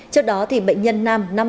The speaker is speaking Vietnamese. trước đó bệnh nhân nam